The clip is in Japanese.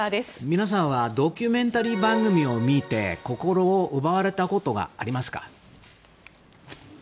皆さんはドキュメンタリー番組を見て心を奪われたことがありますか？